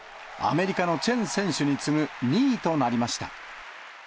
アメリカのチェン選手に次ぐ２位となりました。